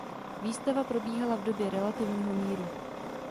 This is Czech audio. Výstavba probíhala v době relativního míru.